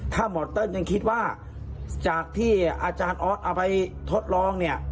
ถ้าหมอเติ้ลยังคิดว่าจากที่อาจารย์ออสเอาไปทดลองเนี่ย